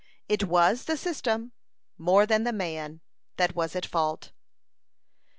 It was the system, more than the man, that was at fault.